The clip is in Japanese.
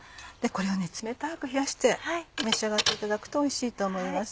これを冷たく冷やして召し上がっていただくとおいしいと思います。